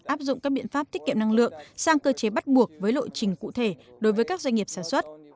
áp dụng các biện pháp tiết kiệm năng lượng sang cơ chế bắt buộc với lộ trình cụ thể đối với các doanh nghiệp sản xuất